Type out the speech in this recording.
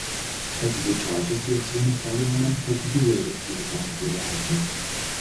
Hätten die Chargers die Option nicht wahrgenommen, hätten die Raiders dieses Angebot erhalten.